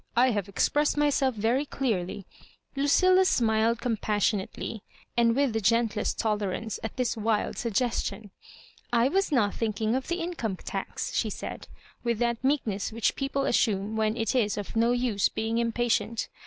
I have expressed myself very clearly " Lucilla smiled compassionately, and with the gentlest tolerance, at this wild suggestion. " I was not thinking of the Income tax,'* she said, with that meekness which people assume when it is of no use being impatient.